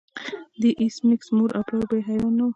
د ایس میکس مور او پلار بیا حیران نه وو